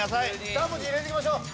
２文字入れていきましょう。